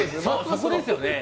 そこですよね。